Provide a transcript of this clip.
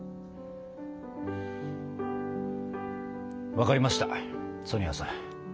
分かりましたソニアさん。